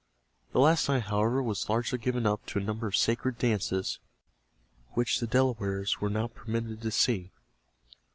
The last night, however, was largely given up to a number of sacred dances which the Delawares were not permitted to see.